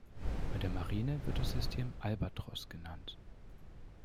Bei der Marine wird das System "Albatros" genannt.